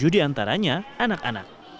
tujuh diantaranya anak anak